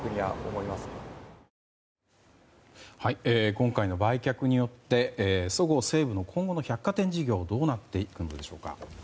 今回の売却によってそごう・西武の今後の百貨店事業はどうなっていくんでしょうか。